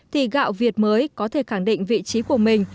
thì gạo việt mới có thể khẳng định vị trí của mình